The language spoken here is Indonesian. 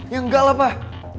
ya enggak lah pak